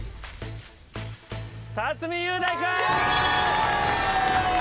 辰巳雄大君！